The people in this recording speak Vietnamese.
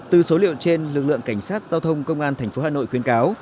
từ số liệu trên lực lượng cảnh sát giao thông công an tp hà nội khuyến cáo